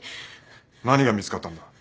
何が見つかったんだ？